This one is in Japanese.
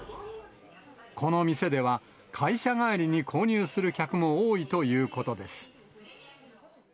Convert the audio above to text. この店では、会社帰りに購入する客も多いということです。